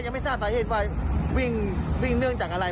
ก็ไม่เห็นว่าวิ่งเนื่องจากอะไร